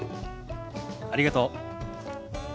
ありがとう。